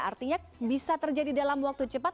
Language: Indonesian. artinya bisa terjadi dalam waktu cepat